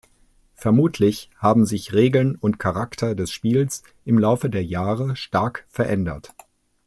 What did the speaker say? Vermutlich haben sich Regeln und Charakter des Spiels im Laufe der Jahre stark verändert.